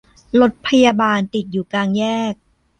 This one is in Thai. รถพยาบาลติดอยู่กลางแยก